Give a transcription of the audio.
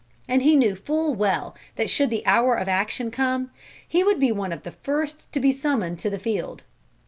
And he knew full well that should the hour of action come, he would be one of the first to be summoned to the field.